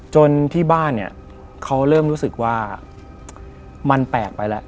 ที่บ้านเนี่ยเขาเริ่มรู้สึกว่ามันแปลกไปแล้ว